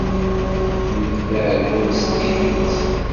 Nekk d aɛeggun s tidet.